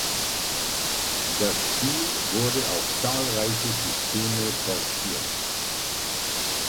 Das Spiel wurde auf zahlreiche Systeme portiert.